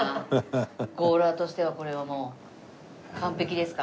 ゴーラーとしてはこれはもう完璧ですか？